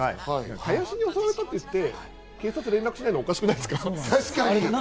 林に襲われたって言って警察に連絡しないのはおかしくないですか？